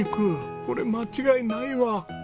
これ間違いないわ。